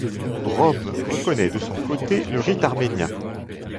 Rome reconnaît de son côté le rite arménien.